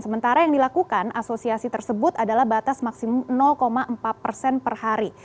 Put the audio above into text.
sementara yang dilakukan asosiasi tersebut adalah batas maksimum empat persen per hari